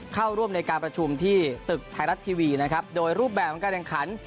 เข้าร่วมในการประชุมที่ตึกไทยรัฐทีวีนะครับโดยรูปแบบของการแข่งขัน